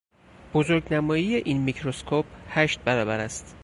بزرگنمایی این میکروسکوپ هشت برابر است.